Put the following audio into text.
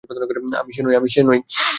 আমি সে নই।